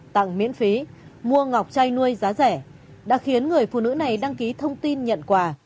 tặng miễn phí mua ngọc trai nuôi giá rẻ đã khiến người phụ nữ này đăng ký thông tin nhận quà